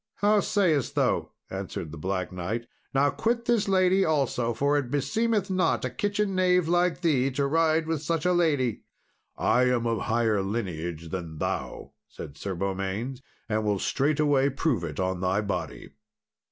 "How sayest thou?" answered the Black Knight. "Now quit this lady also, for it beseemeth not a kitchen knave like thee to ride with such a lady." "I am of higher lineage than thou," said Sir Beaumains, "and will straightway prove it on thy body."